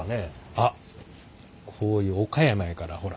あっこういう岡山やからほら。